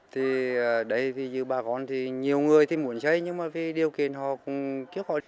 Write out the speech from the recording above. thì đây thì như ba con thì nhiều người thì muốn xây nhưng mà vì điều kiện họ cũng kiếp họ